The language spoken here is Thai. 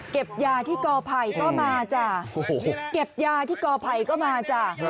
ยาที่กอไผ่ก็มาจ้ะเก็บยาที่กอไผ่ก็มาจ้ะ